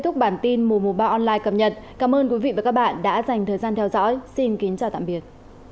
tuy nhiên số điểm mưa vừa mưa to cũng đã giảm hẳn